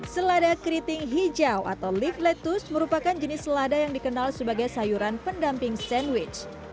selada keriting hijau atau leef lettuce merupakan jenis selada yang dikenal sebagai sayuran pendamping sandwich